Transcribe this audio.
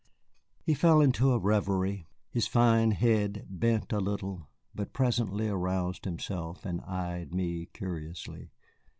He fell into a revery, his fine head bent a little, but presently aroused himself and eyed me curiously.